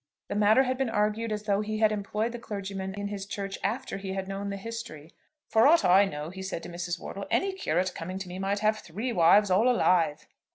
The matter had been argued as though he had employed the clergyman in his church after he had known the history. "For aught I know," he said to Mrs. Wortle, "any curate coming to me might have three wives, all alive."